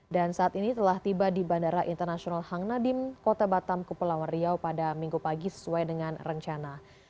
dan saat ini telah tiba di bandara internasional hang nadem kota batam kepulauan riau pada minggu pagi sesuai dengan rencana